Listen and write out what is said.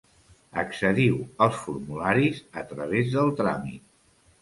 Accediu als formularis a través del tràmit.